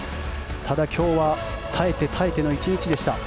ただ、今日は耐えて耐えての１日でした。